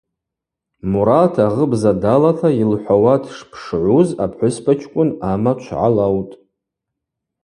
Мурат агъыбза далата йылхӏвауа дшпшгӏуз апхӏвыспачкӏвын амачв гӏалаутӏ.